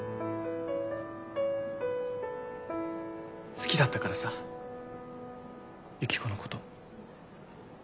好きだったからさユキコのこと。